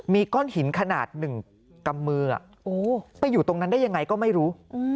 มีก้อนหินขนาด๑กำมือไปอยู่ตรงนั้นได้ยังไงก็ไม่รู้